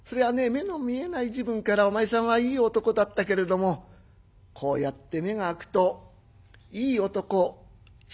目の見えない時分からお前さんはいい男だったけれどもこうやって目が明くといい男ひとしおだね。